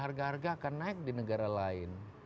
harga harga akan naik di negara lain